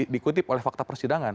dikutip oleh fakta persidangan